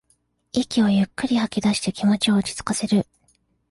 息をゆっくりと吐きだして気持ちを落ちつかせる